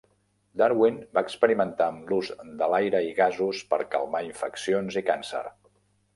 Darwin va experimentar amb l'ús de l'aire i gasos per calmar infeccions i càncer.